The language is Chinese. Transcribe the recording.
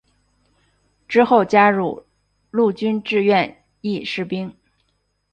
之后加入陆军志愿役士兵。